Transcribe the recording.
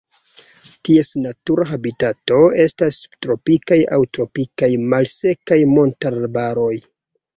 Ties natura habitato estas subtropikaj aŭ tropikaj malsekaj montararbaroj.